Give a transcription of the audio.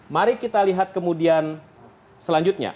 mari kita lihat kemudian selanjutnya